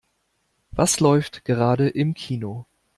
Was läuft gerade im Kino?